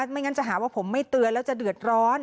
ไม่งั้นจะหาว่าผมไม่เตือนแล้วจะเดือดร้อน